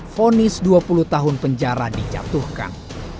fonis dua puluh tahun penjara dijatuhkan